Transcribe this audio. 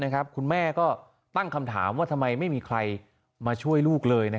คุณแม่ก็ตั้งคำถามว่าทำไมไม่มีใครมาช่วยลูกเลย